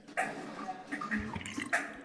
塞涅德古埃及早王朝时期第二王朝国王。